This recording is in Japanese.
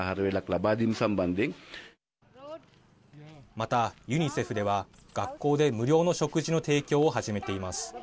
また、ユニセフでは学校で無料の食事の提供を始めています。